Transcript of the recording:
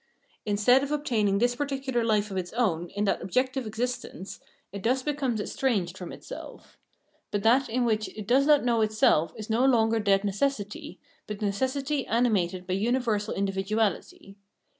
In stead of obtaining this particular hfe of its own in that objective existence, it thus becomes estranged from itself. But that in which it does not know itself is no longer dead necessity, but necessity animated by uni versal individuality.